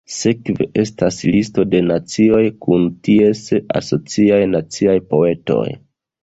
Sekve estas listo de nacioj, kun ties asociaj naciaj poetoj.